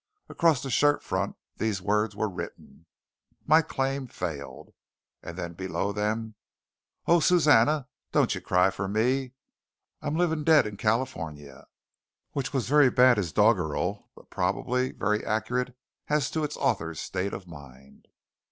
Across the shirt front these words were written: "My claim failed!" And then below them: "Oh, Susannah! don't you cry for me! I'm a living dead in Californi ee" which was very bad as doggerel, but probably very accurate as to its author's state of mind.